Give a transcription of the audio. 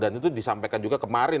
dan itu disampaikan juga kemarin